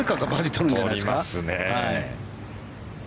取りますね。